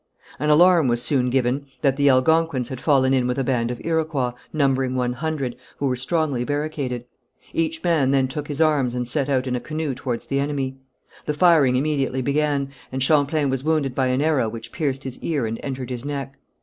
An alarm was soon given that the Algonquins had fallen in with a band of Iroquois, numbering one hundred, who were strongly barricaded. Each man then took his arms and set out in a canoe towards the enemy. The firing immediately began, and Champlain was wounded by an arrow which pierced his ear and entered his neck.